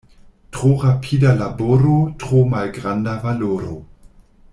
Tro rapida laboro, tro malgranda valoro.